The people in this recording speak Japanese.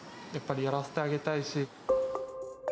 やっぱりやらせてあげたいし。